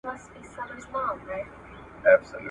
ما شپه ده راوستلې سپینوې یې او کنه !.